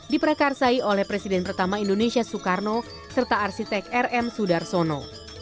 diperakarsai oleh presiden pertama indonesia soekarno serta arsitek rm sudarsono